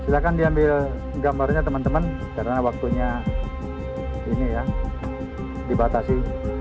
silahkan diambil gambarnya teman teman karena waktunya ini ya dibatasi